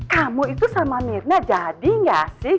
kamu itu sama mirna jadi gak sih